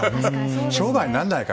商売にならないか？